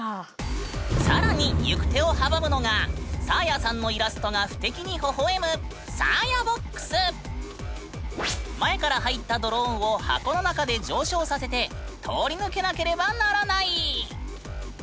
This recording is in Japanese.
更に行く手を阻むのがサーヤさんのイラストが不敵にほほ笑む前から入ったドローンを箱の中で上昇させて通り抜けなければならない！